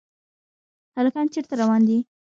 هلکان چېرته روان دي ؟